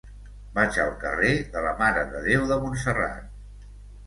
Vaig al carrer de la Mare de Déu de Montserrat.